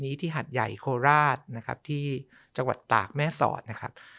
นี้ที่หัดใหญ่โคราชที่จังหวัดตากแม่ศรนะครับ